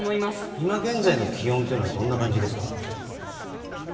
今現在の気温はどんな感じですか？